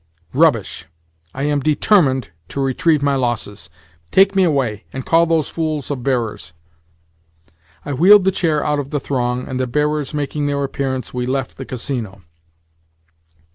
"Rubbish! I am determined to retrieve my losses. Take me away, and call those fools of bearers." I wheeled the chair out of the throng, and, the bearers making their appearance, we left the Casino.